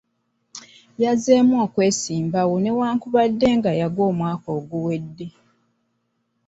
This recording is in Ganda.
Yazzeemu okwesimbawo newankubadde nga yagwa omwaka oguwedde.